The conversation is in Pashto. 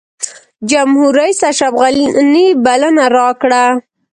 جمهورریس اشرف غني بلنه راکړه.